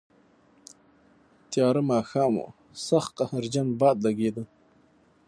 تیاره ماښام و، سخت قهرجن باد لګېده.